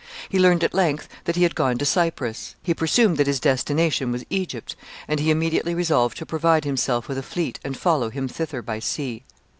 He learned at length that he had gone to Cyprus; he presumed that his destination was Egypt, and he immediately resolved to provide himself with a fleet, and follow him thither by sea.